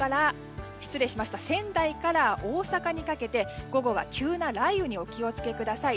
仙台から大阪にかけて、午後は急な雷雨にお気を付けください。